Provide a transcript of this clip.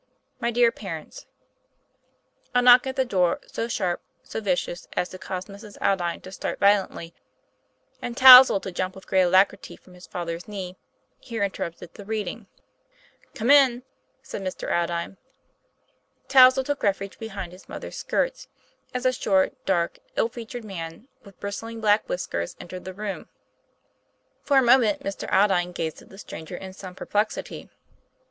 MY DEAR PARENTS: A knock at the door, so sharp, so vicious, as to cause Mrs. Aldine to start violently, and Touzle to jump with great alacrity from his father's knee, here interrupted the reading. "Come in," said Mr. Aldine. Touzle. took refuge behind his mother's skirts, as TOM PLAYFAIR. 221 a short, dark, ill featured man, with bristling black whiskers, entered the room. For a moment Mr. Aldine gazed at the stranger in some perplexity.